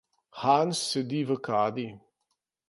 Hans sedi v kadi.